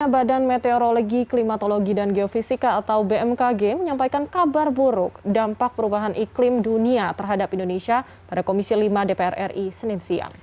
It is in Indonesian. badan meteorologi klimatologi dan geofisika atau bmkg menyampaikan kabar buruk dampak perubahan iklim dunia terhadap indonesia pada komisi lima dpr ri senin siang